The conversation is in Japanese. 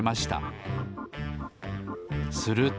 すると。